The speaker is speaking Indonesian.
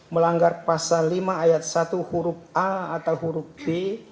melanggar pasal lima ayat satu huruf a atau huruf b